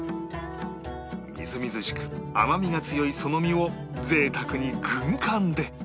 みずみずしく甘みが強いその身を贅沢に軍艦で！